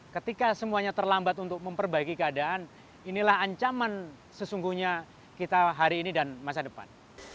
ketika semuanya terlambat untuk memperbaiki keadaan inilah ancaman sesungguhnya kita hari ini dan masa depan